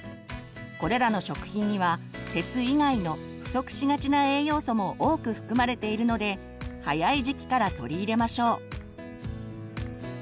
これらの食品には鉄以外の不足しがちな栄養素も多く含まれているので早い時期から取り入れましょう。